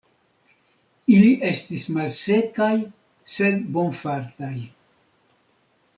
Ili estis malsekaj, sed bonfartaj.